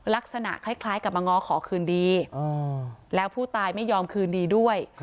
ลักษณะคล้ายกับมาง้อขอคืนดีแล้วผู้ตายไม่ยอมคืนดีด้วย